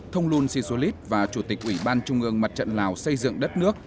thông luân si su lít và chủ tịch ủy ban trung ương mặt trận lào xây dựng đất nước